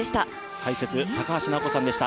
解説、高橋尚子さんでした。